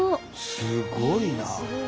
すごいなあ！